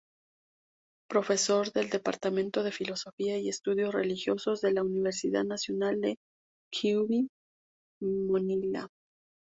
Profesor del Departamento de Filosofía y Estudios Religiosos de la Universidad Nacional "Kyiv-Mohyla".